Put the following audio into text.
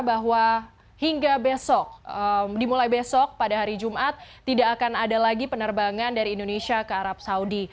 bahwa hingga besok dimulai besok pada hari jumat tidak akan ada lagi penerbangan dari indonesia ke arab saudi